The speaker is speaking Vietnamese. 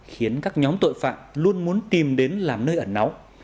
khiến các nhóm tội phạm luôn muốn tìm đến làm nơi ẩn náu